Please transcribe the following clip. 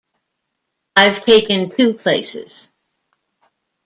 I’ve taken two places.